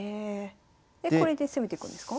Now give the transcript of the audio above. でこれで攻めていくんですか？